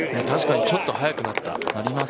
確かにちょっとはやくなった。